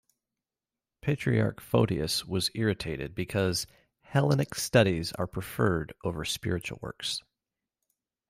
Patriarch Photius was irritated because "Hellenic studies are preferred over spiritual works".